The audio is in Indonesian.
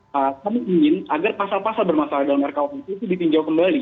kami ingin agar pasal pasal bermasalah dalam rkuhp itu ditinjau kembali